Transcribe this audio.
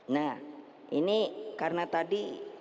nah ini karena tadi